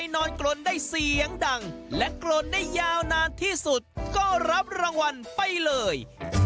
ในยาวนานที่สุดก็รับรางวัลไปเลย